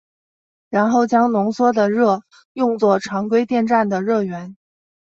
然后将浓缩的热用作常规电站的热源。